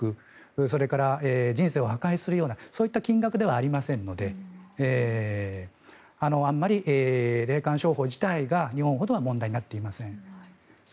それから人生を破壊するような金額ではありませんのであんまり霊感商法自体が日本ほどは問題にはなっていません。